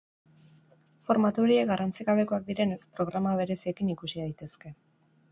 Formatu horiek garrantzi gabekoak direnez, programa bereziekin ikusi daitezke.